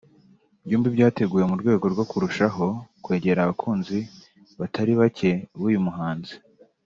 byombi byateguwe mu rwego rwo kurushaho kwegera abakunzi batari bake b’uyu muhanzi